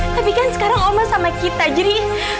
tapi kan sekarang oma sama kita jadi